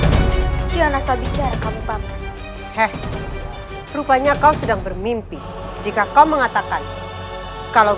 jangan asal bicara kamu panggung eh rupanya kau sedang bermimpi jika kau mengatakan kalau